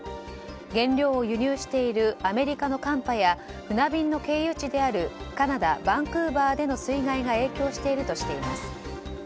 原料を輸入しているアメリカの寒波や船便の経由地であるカナダ・バンクーバーでの水害が影響しているとしています。